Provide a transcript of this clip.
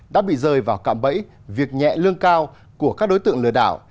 đã bị rơi vào cạm bẫy việc nhẹ lương cao của các đối tượng lừa đảo